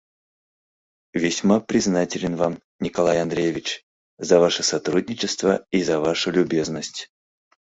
Весьма признателен вам, Николай Андреевич, за ваше сотрудничество и за вашу любезность.